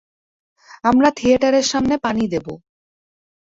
আমরা থিয়েটারের সামনে পানি দেব।